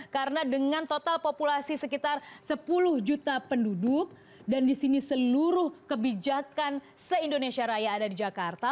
karena dengan total populasi sekitar sepuluh juta penduduk dan disini seluruh kebijakan se indonesia raya ada di jakarta